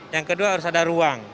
yang kedua harus ada ruang